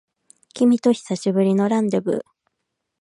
君と久しぶりのランデブー